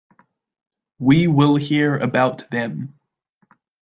We will hear about them.